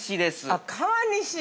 ◆あっ、川西？